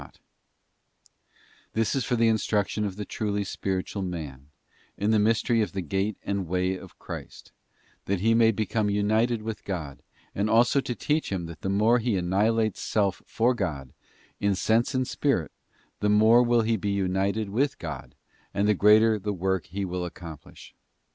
't This is for the instruction of the truly spiritual man, in the mystery of the gate and way of Christ, that he may become united with God, and also to teach him that the more he annihilates self for God, in sense and spirit, the more will he be united with God, and the greater the work he will accomplish.